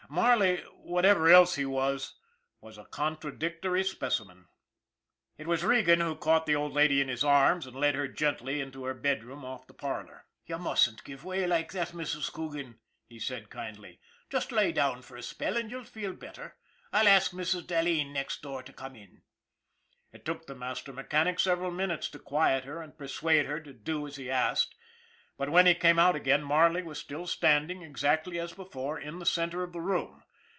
Marley, whatever else he was, was a contradictory specimen. It was Regan who caught the old lady in his arms, and led her gently into her bedroom off the parlor. 230 ON THE IRON AT BIG CLOUD " You mustn't give way like that, Mrs. Coogan," he said kindly. " Just lie down for a. spell and you'll feel better. I'll ask Mrs. Dahleen, next door, to come in." It took the master mechanic several minutes to quiet her and persuade her to do as he asked, but when he came out again Marley was still standing, exactly as before, in the centre of the room.